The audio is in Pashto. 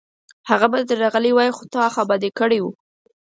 هغه به درغلی وای، خو تا خوابدی کړی و